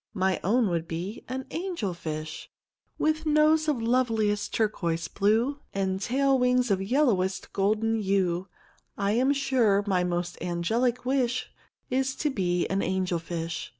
My own would be an angel fish. "With nose of loveliest turquoise blue, And tail wings of yellowest golden hue I'm sure my most angelic wish Is to be an angel fish.